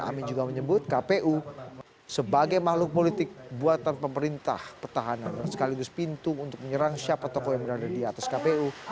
amin juga menyebut kpu sebagai makhluk politik buatan pemerintah petahana sekaligus pintu untuk menyerang siapa tokoh yang berada di atas kpu